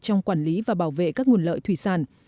trong quản lý và bảo vệ các nguồn lợi thủy sản